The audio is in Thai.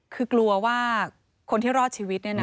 คือกลัวว่าคนที่รอดชีวิต